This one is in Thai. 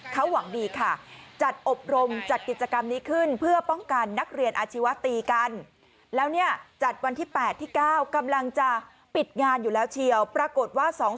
เขาหวังดีค่ะจัดอบรมจัดกิจกรรมนี้ขึ้นเพื่อป้องกันนักเรียนอาชีวตีกัน